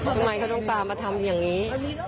ทำไมเขาต้องตามมาทำอย่างนี้